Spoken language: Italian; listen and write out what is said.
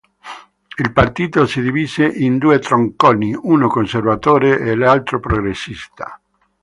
Il partito si divise in due tronconi, uno conservatore e l'altro progressista.